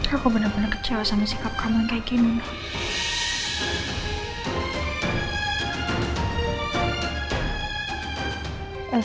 aku benar benar kecewa sama sikap kamu kayak gini